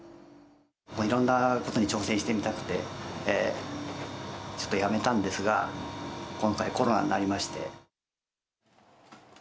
いろんなことに挑戦してみたくてちょっと辞めたんですが、今回、コロナになりまして。